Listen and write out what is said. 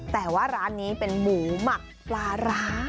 แต่ว่าร้านนี้เป็นหมูหมักปลาร้า